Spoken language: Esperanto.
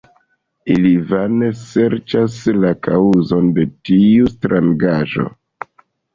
Ili vane serĉas la kaŭzon de tiu strangaĵo.